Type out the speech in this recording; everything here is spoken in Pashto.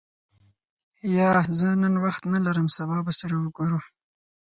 یا، زه نن وخت نه لرم سبا به سره ګورو.